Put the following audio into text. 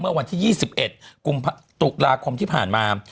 เมื่อวันที่๒๑ตุลาคมที่ผ่านมา